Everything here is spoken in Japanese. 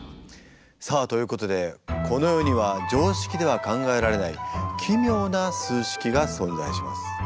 さあということでこの世には常識では考えられない奇妙な数式が存在します。